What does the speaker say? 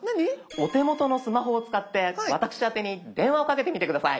お手元のスマホを使って私あてに電話をかけてみて下さい。